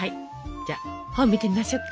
じゃあ本見てみましょうか。